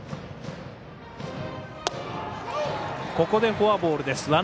ここでフォアボールです。